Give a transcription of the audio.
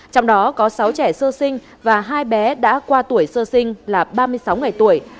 trong đó có sáu trẻ sơ sinh và hai bé đã qua tuổi sơ sinh là ba mươi sáu ngày tuổi